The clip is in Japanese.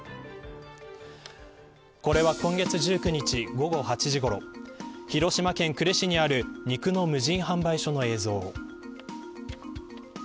これは今月１９日午後８時ごろ広島県呉市にある肉の無人販売所の映像。